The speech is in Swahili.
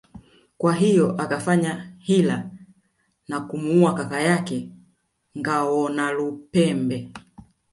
Kwa hiyo akafanya hila na kumuua kaka yake Ngawonalupembe